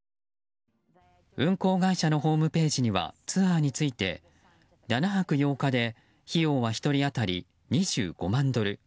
運航会社のホームページにはツアーについて７泊８日で費用は１人当たり２５万ドル。